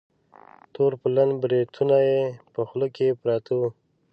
تور پلن بریتونه یې په خوله کې پراته وه.